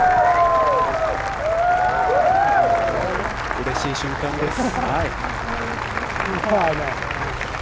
うれしい瞬間です。